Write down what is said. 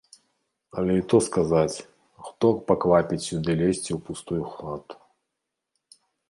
Але і то сказаць, хто паквапіць сюды лезці ў пустую хату.